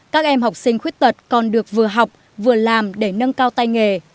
các em học sinh khuyết tật còn được vừa học vừa làm để nâng cao tay nghề